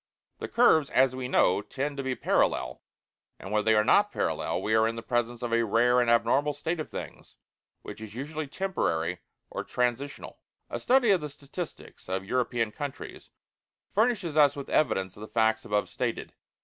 The curves, as we know, tend to be parallel, and when they are not parallel we are in the presence of a rare and abnormal state of things which is usually temporary or transitional. A study of the statistics of European countries furnishes us with evidence of the facts above stated.